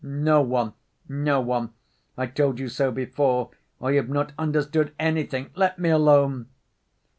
"No one, no one, I told you so before, or you've not understood anything! Let me alone!"